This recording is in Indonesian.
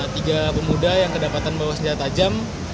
tiga pemuda yang kedapatan bawa senjata tajam